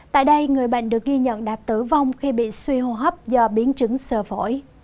tại đây người bệnh được ghi nhận đã tử vong khi bị suy hô hấp do biến chứng sơ phổi